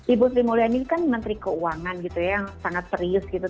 ibu sri mulyani kan menteri keuangan gitu ya yang sangat serius gitu